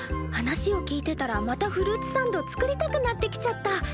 話を聞いてたらまたフルーツサンド作りたくなってきちゃった。